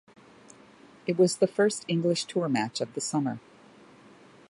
It was the first English tour match of the summer.